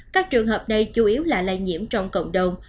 các trường hợp này chủ yếu là lây nhiễm trong cộng đồng